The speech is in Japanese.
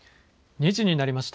２時になりました。